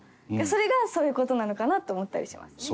それがそういう事なのかなと思ったりしますね。